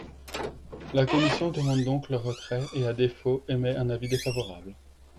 La commission demande donc leur retrait et, à défaut, émet un avis défavorable.